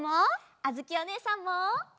あづきおねえさんも！